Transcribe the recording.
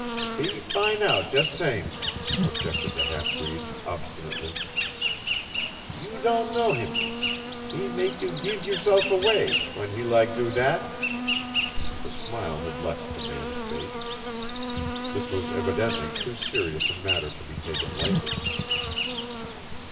"He fin' out jess sam'," objected the half breed, obstinately. "You don' know heem. He mak' you geev yourself away, when he lak' do dat." The smile had left the man's face. This was evidently too serious a matter to be taken lightly.